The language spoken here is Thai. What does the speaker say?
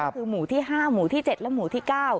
คือหมู่ที่๕หมู่ที่๗และหมู่ที่๙